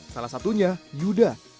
salah satunya yuda